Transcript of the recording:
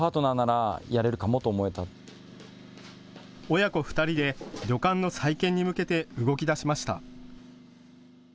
親子２人で旅館の再建に向けて動きだしました。